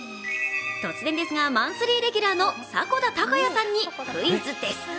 突然ですがマンスリーレギュラーの迫田孝也さんにクイズです。